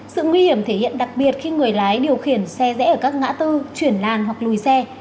sự nguy hiểm thể hiện đặc biệt khi người lái điều khiển xe rẽ ở các ngã tư chuyển làn hoặc lùi xe